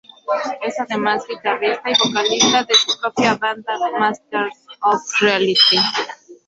Es, además, guitarrista y vocalista de su propia banda, Masters of Reality.